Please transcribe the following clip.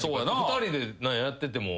２人でやってても。